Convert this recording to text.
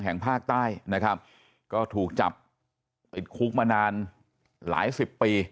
แห่งภาคใต้นะครับก็ถูกจับติดคุกมานานหลายสิบปี